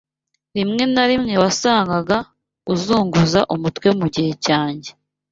Rimwe na rimwe wasangaga uzunguza umutwe mu gihe cyanjye.